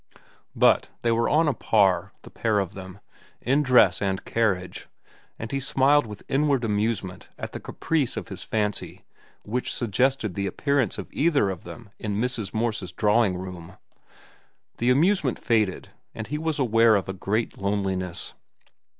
But they were on a par, the pair of them, in dress and carriage, and he smiled with inward amusement at the caprice of his fancy which suggested the appearance of either of them in Mrs. Morse's drawing room. The amusement faded, and he was aware of a great loneliness.